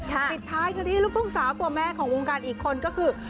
ปิดท้ายกันที่ลูกทุ่งสาวตัวแม่ของวงการอีกคนก็คือ